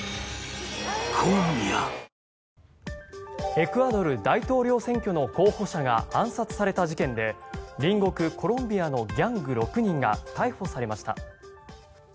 エクアドル大統領選挙の候補者が暗殺された事件で隣国コロンビアのギャング６人が逮捕されました。